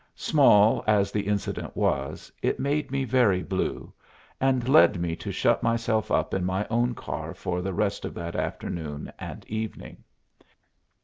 Small as the incident was, it made me very blue, and led me to shut myself up in my own car for the rest of that afternoon and evening.